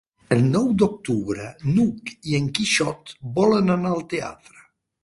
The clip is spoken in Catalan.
El nou d'octubre n'Hug i en Quixot volen anar al teatre.